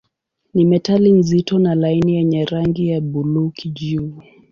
Ni metali nzito na laini yenye rangi ya buluu-kijivu.